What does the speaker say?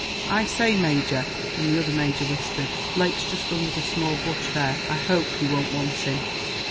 "I say, Major," and the other Major whispered; "Blake's just under the small bush there, I hope you won't want him."